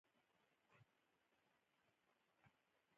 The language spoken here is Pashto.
تر ځان له مشرانو سره نزاکت همېشه په یاد ساته!